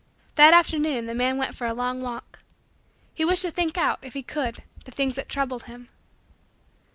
That afternoon the man went for a long walk. He wished to think out, if he could, the things that troubled him.